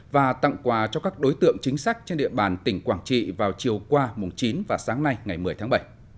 và tặng quà cho các đối tượng chính sách trên địa bàn tỉnh quảng trị vào chiều qua chín và sáng nay ngày một mươi tháng bảy